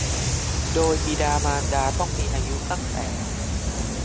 โดยบิดามารดาต้องมีอายุตั้งแต่